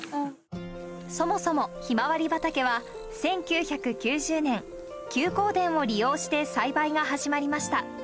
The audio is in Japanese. そもそも、ヒマワリ畑は１９９０年、休耕田を利用して栽培が始まりました。